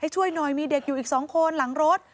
ช่วยหน่อยมีเด็กอยู่อีก๒คนหลังรถ